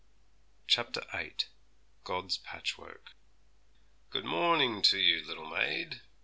CHAPTER VIII God's Patchwork 'Good morning to you, little maid.'